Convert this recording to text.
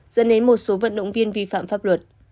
dẫn đến một số vận động viên vi phạm pháp luật